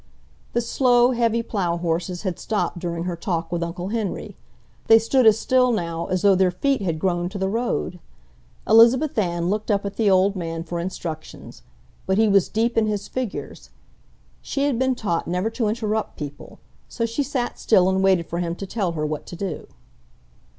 The slow, heavy plow horses had stopped during her talk with Uncle Henry. They stood as still now as though their feet had grown to the road. Elizabeth Ann looked up at the old man for instructions. But he was deep in his figures. She had been taught never to interrupt people, so she sat still and waited for him to tell her what to do.